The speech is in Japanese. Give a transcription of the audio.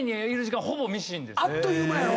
あっという間やろ？